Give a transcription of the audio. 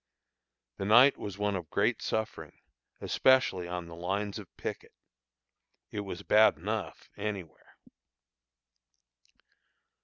The night was one of great suffering, especially on the lines of picket it was bad enough anywhere.